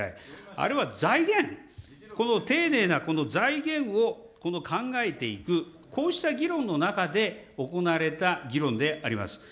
あれは財源、丁寧な財源を考えていく、こうした議論の中で行われた議論であります。